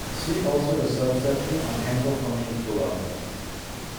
See also the subsection on Hankel functions below.